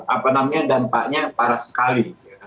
apa namanya dampaknya parah sekali